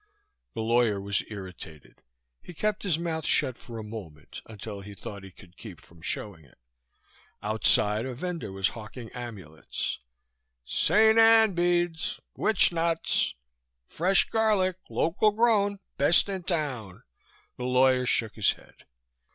The lawyer was irritated. He kept his mouth shut for a moment until he thought he could keep from showing it. Outside a vendor was hawking amulets: "St. Ann beads! Witch knots! Fresh garlic, local grown, best in town!" The lawyer shook his head.